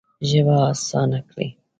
ژبه اسانه کړې.